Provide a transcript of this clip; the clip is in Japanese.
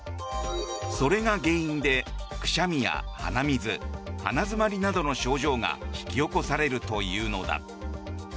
それが原因で、くしゃみや鼻水鼻詰まりなどの症状が引き起こされるというのだ。